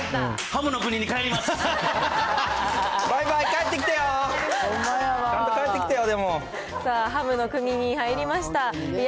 ハムの国に入りました。